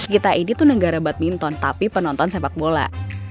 kita ini tuh negara badminton tapi penonton sepak bola